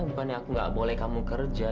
bukannya nggak boleh kamu kerja